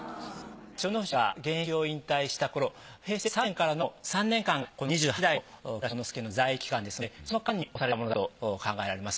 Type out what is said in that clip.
千代の富士が現役を引退した頃平成３年からの３年間がこの二十八代の木村庄之助の在位期間ですのでその間に押されたものだと考えられます。